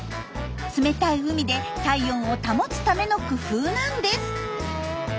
冷たい海で体温を保つための工夫なんです。